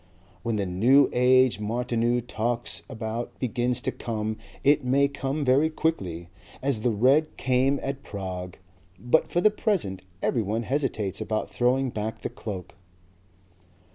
When the New Age Martineau talks about begins to come it may come very quickly as the red came at Prague. But for the present everyone hesitates about throwing back the cloak."